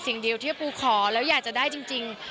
สิ่งเดียวที่ปูขอแล้วอยากจะได้จริง